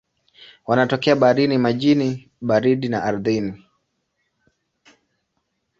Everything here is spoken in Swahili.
Wanatokea baharini, majini baridi na ardhini.